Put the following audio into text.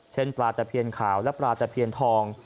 เช่นปลาแต่เพียณขาวและพลาแต่เพียงทอง